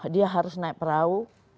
dia harus naik perahu